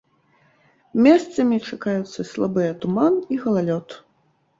Месцамі чакаюцца слабыя туман і галалёд.